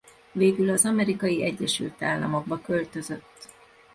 Végül az Amerikai Egyesült Államokba költözött.